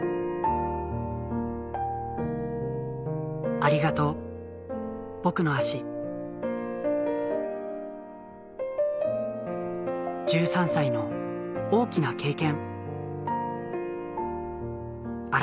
ありがとうボクの足１３歳の大きな経験